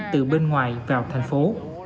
từ bên ngoài vào thành phố